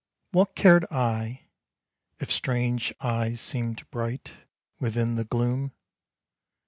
What cared I if strange eyes seemed bright Within the gloom!